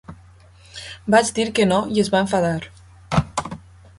Vaig dir que no i es va enfadar.